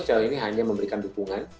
sejauh ini hanya memberikan dukungan